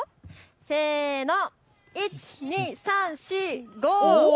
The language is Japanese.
せーの、１、２、３、４、５！